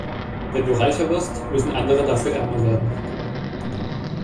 Wenn du reicher wirst, müssen andere dafür ärmer werden.